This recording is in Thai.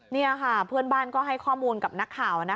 นี่ค่ะเพื่อนบ้านก็ให้ข้อมูลกับนักข่าว